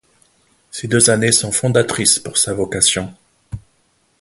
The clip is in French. Ces deux années sont fondatrices pour sa vocation.